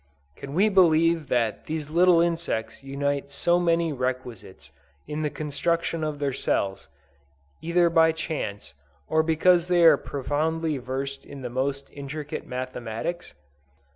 Can we believe that these little insects unite so many requisites in the construction of their cells, either by chance, or because they are profoundly versed in the most intricate mathematics?